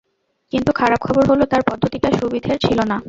কিন্তু, খারাপ খবর হলো, তার পদ্ধতিটা সুবিধের ছিলো না।